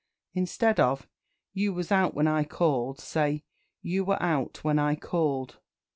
Instead of "You was out when I called," say "You were out when I called."